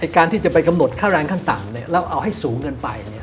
การที่จะไปกำหนดค่าแรงขั้นต่ำแล้วเอาให้สูงเกินไป